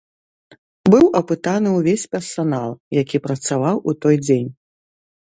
Быў апытаны ўвесь персанал, які працаваў у той дзень.